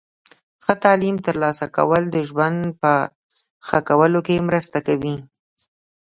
د ښه تعلیم ترلاسه کول د ژوند په ښه کولو کې مرسته کوي.